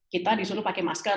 kita disuruh pakai masker